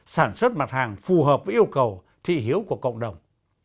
sản xuất mặt hàng phù hợp với yêu cầu thị hiếu của cộng đồng